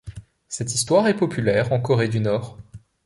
Cette histoire est populaire en Corée du Nord.